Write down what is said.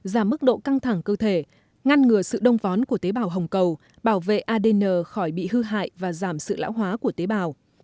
giảm mức độ căng thẳng cơ thể ngăn ngừa sự đông vón của tế bào hồng cầu bảo vệ adn khỏi bị hư hại và giảm sự lão hóa của tế bào